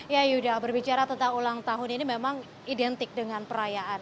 ya yuda berbicara tentang ulang tahun ini memang identik dengan perayaan